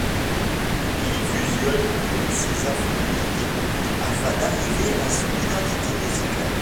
Il y fusionne toutes ses affinités, afin d’arriver à son identité musicale.